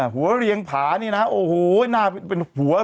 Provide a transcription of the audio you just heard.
หัวเลี่ยงผา